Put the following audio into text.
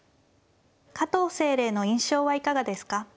加藤清麗の印象はいかがですか。